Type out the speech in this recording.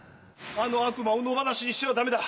あの悪魔を野放しにしてはダメだ！